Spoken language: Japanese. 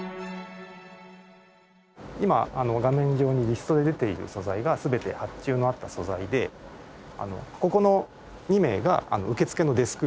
今画面上にリストで出ている素材が全て発注のあった素材でここの２名が受付のデスクという役割になります。